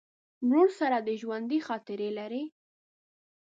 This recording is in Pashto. ورور سره د ژوندي خاطرې لرې.